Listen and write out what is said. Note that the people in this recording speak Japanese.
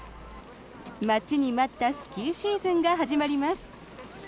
待ちに待ったスキーシーズンが始まります。